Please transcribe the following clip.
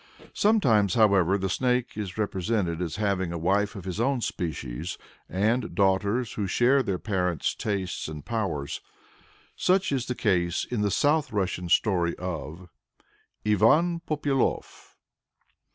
Sometimes, however, the snake is represented as having a wife of his own species, and daughters who share their parent's tastes and powers. Such is the case in the (South Russian) story of IVAN POPYALOF.